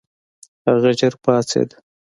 هغه ژر پاڅېد.